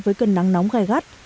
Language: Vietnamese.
với cơn nắng nóng gai gắt